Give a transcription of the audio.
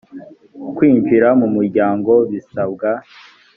kwinjira mu muryango bisabwa